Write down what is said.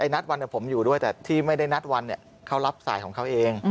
นัดวันผมอยู่ด้วยแต่ที่ไม่ได้นัดวันเขารับสายของเขาเอง